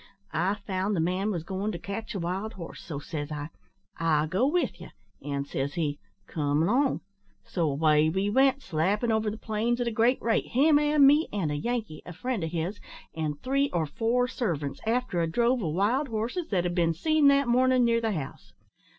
I found the man was goin' to catch a wild horse, so, says I, `I'll go with ye,' an', says he, `come 'long,' so away we went, slappin' over the plains at a great rate, him and me, and a Yankee, a friend o' his and three or four servants, after a drove o' wild horses that had been seen that mornin' near the house.